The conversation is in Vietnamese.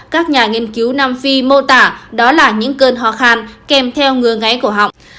các nhà nghiên cứu nam phi mô tả đó là những cơn hoa khan kèm theo ngừa ngáy cổ họng